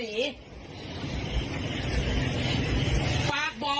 มีคนอยู่ไหมคะ